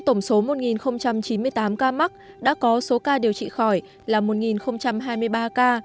trong tổng số một chín mươi tám ca mắc đã có số ca điều trị khỏi là một hai mươi ba ca